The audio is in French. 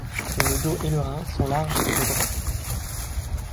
Le dos et le rein sont larges et droits.